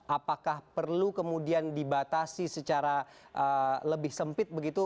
apakah perlu kemudian dibatasi secara lebih sempit begitu